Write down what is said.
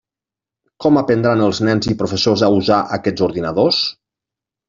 Com aprendran els nens i professors a usar aquests ordinadors?